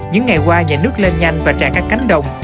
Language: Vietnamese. những ngày qua dày nước lên nhanh và tràn các cánh đồng